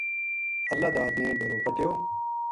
اللہ داد نے ڈیرو پَٹیو